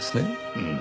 うん。